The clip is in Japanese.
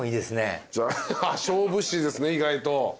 勝負師ですね意外と。